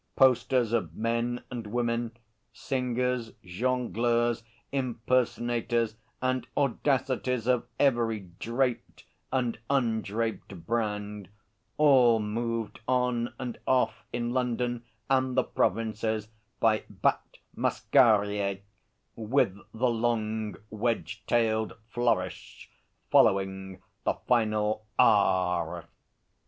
Posters of men and women, singers, jongleurs, impersonators and audacities of every draped and undraped brand, all moved on and off in London and the Provinces by Bat Masquerier with the long wedge tailed flourish following the final 'r.'